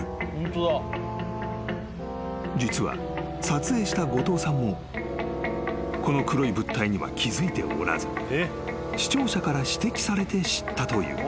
［実は撮影した後藤さんもこの黒い物体には気付いておらず視聴者から指摘されて知ったという］